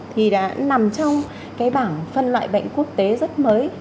thì đã nằm trong cái bảng phân loại bệnh quốc tế rất mới